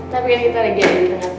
tapi kan kita lagi ada di tengah tenang